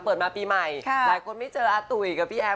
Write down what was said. เปิดมาปีใหม่หลายคนไม่เจออาตุ๋ยกับพี่แอม